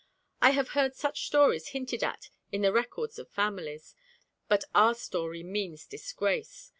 I have heard such stories hinted at in the records of families. But our story means disgrace.